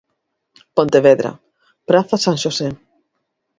Pontevedra: Praza San Xosé.